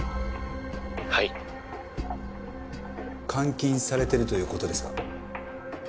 監禁されてるという事ですか？